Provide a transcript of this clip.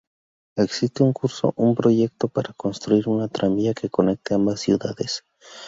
Existe un curso un proyecto para construir un tranvía que conecte ambas ciudades.